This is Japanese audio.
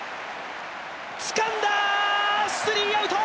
つかんだ、スリーアウト！